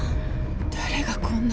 誰がこんな。